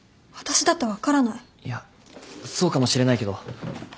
いやそうかもしれないけど。